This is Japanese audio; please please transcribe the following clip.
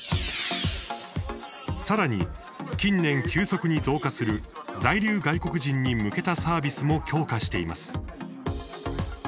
さらに、近年急速に増加する在留外国人に向けたサービスも強化しています。